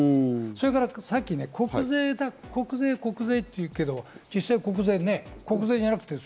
それからさっき、国税、国税って言うけど、実際国税ね。